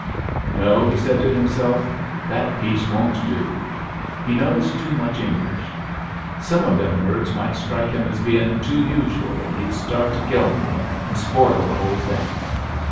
"No," he said to himself, "that piece won't do. He knows too much English. Some of them words might strike him as bein' too usual, and he'd start to kill me, and spoil the whole thing.